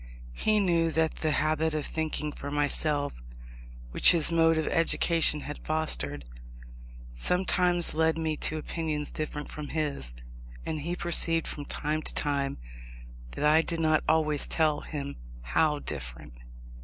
He knew that the habit of thinking for myself, which his mode of education had fostered, sometimes led me to opinions different from his, and he perceived from time to time that I did not always tell him how different.